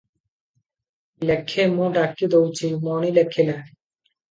ଲେଖେ, ମୁଁ ଡାକି ଦଉଚି"- ମଣି ଲେଖିଲା-